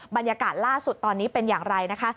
บรรยากาศล่าสุดตอนนี้เป็นอย่างไรนะคะ